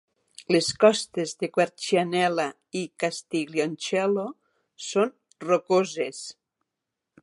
Les costes de Quercianella i Castiglioncello són rocoses.